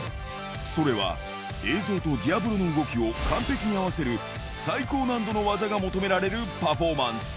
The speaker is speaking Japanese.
それは映像とディアボロの動きを完璧に合わせる、最高難度の技が求められるパフォーマンス。